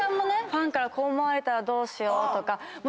ファンからこう思われたらどうしようとか。